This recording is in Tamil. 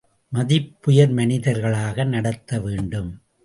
மதிப்புயர் மனிதர்களாக நடத்த வேண்டும்.